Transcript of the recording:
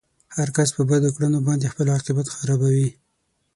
هر کس په بدو کړنو باندې خپل عاقبت خرابوي.